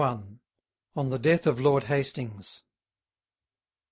ON THE DEATH OF LORD HASTINGS.